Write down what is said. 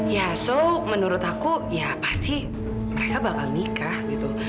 ya so menurut aku ya pasti mereka bakal nikah gitu